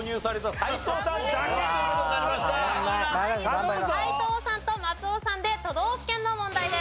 斎藤さんと松尾さんで都道府県の問題です。